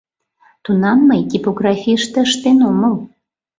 Тунам мый типографийыште ыштен омыл.